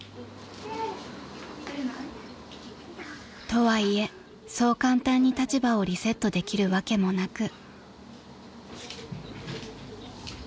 ［とはいえそう簡単に立場をリセットできるわけもなく］